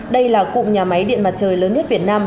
đây là cụm nhà máy điện mặt trời lớn nhất việt nam